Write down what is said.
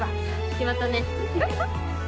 決まったね。